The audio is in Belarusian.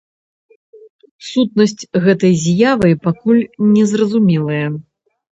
Сутнасць гэтай з'явы пакуль не зразумелая.